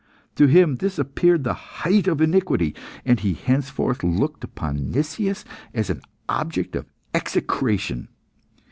To him this appeared the height of iniquity, and he henceforth looked upon Nicias as an object of execration.